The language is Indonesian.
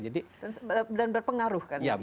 dan berpengaruh kan